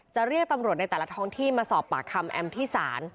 เรียกตำรวจในแต่ละท้องที่มาสอบปากคำแอมที่ศาล